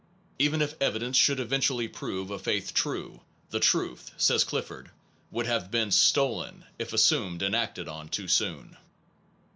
Even if evidence should eventually prove a faith true, the truth, says Clifford, would have been stolen/ if assumed and acted on too soon.